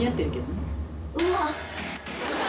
うわ。